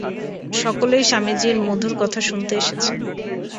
সকলেই স্বামীজীর মধুর কথা শুনতে এসেছেন।